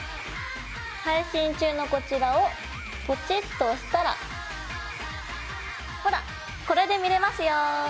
配信中のこちらをポチッと押したらほらっこれで見れますよ！